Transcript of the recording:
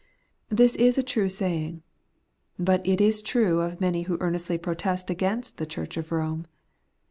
This is a true saying. But it is true of many who earnestly protest against the Church of Home.